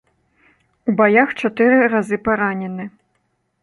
У баях чатыры разы паранены.